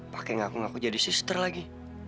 pakai ngaku ngaku jadi sister lagi